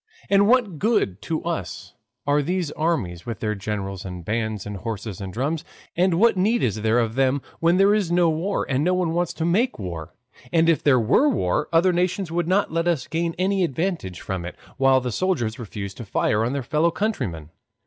And what good to us are these armies with their generals and bands and horses and drums? And what need is there of them when there is no war, and no one wants to make war? and if there were a war, other nations would not let us gain any advantage from it; while the soldiers refuse to fire on their fellow countrymen.